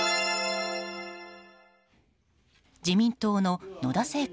自民党の野田聖子